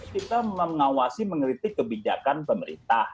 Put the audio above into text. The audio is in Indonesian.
kita mengawasi mengkritik kebijakan pemerintah